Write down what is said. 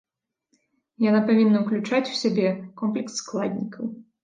Яна павінна уключаць у сябе комплекс складнікаў.